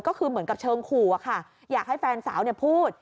ก็คือเหมือนกับเชิงขู่อะค่ะอยากให้แฟนสาวพูด